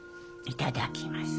いただきます。